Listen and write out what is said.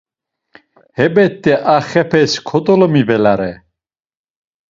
Hebet̆e a xepes kodolomivelare.